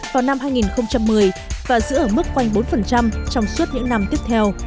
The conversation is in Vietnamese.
và giữ ở mức quanh bốn trong suốt những năm tiếp theo